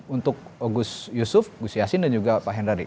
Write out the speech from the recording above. untuk gus yusuf gus yassin dan juga pak hendari